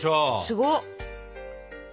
すごっ！